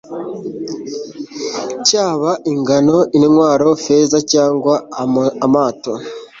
cyaba ingano, intwaro, feza cyangwa amato